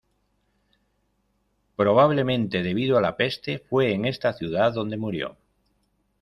Probablemente debido a la peste fue en esta ciudad donde murió.